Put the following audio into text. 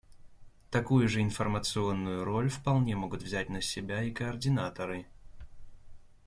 Такую же информационную роль вполне могут взять на себя и координаторы.